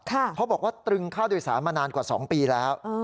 เขาบอกว่าตรึงค่าโดยสารมานานกว่า๒ปีแล้ว